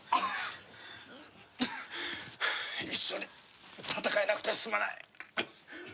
一緒に戦えなくてすまない。